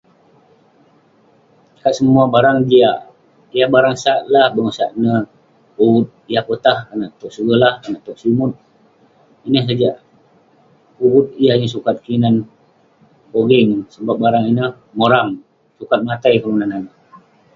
Kat semua barang jiak. Yah barang yah sat lah bengosak neh uvut yah potah konak toq segolah konak toq simut. Ineh sajak uvut yah yeng sukat kinan pogeng sebab barang ineh moram. Sukat matai kelunan naneuk.